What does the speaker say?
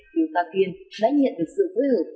tiêu tá kiên đã nhận được sự phối hợp